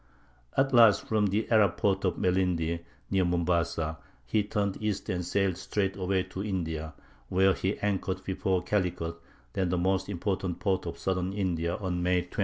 At last, from the Arab port of Melindi, near Mombasa, he turned east and sailed straight away to India, where he anchored before Calicut, then the most important port of southern India, on May 20.